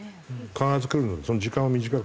必ずくるのでその時間を短くする。